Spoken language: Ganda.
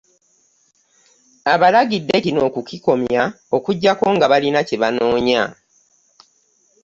Abalagidde kino okukikomya okuggyako nga balina kye banoonya.